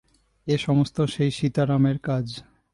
এ-সমস্ত সেই সীতারামের কাজ।